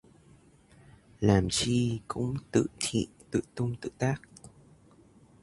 Làm chi cũng tự thị, tự tung tự tác